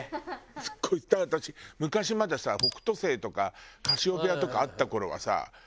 すごいだから私昔まださ北斗星とかカシオペアとかあった頃はさ。